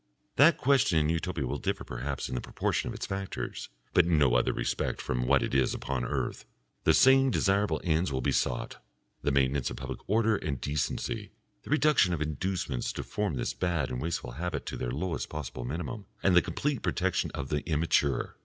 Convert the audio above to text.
That question in Utopia will differ perhaps in the proportion of its factors, but in no other respect, from what it is upon earth. The same desirable ends will be sought, the maintenance of public order and decency, the reduction of inducements to form this bad and wasteful habit to their lowest possible minimum, and the complete protection of the immature.